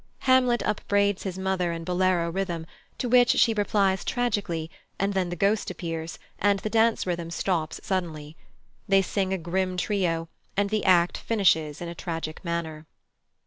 Hamlet upbraids his mother in bolero rhythm, to which she replies tragically, and then the Ghost appears, and the dance rhythm stops suddenly. They sing a grim trio, and the act finishes in a tragic manner.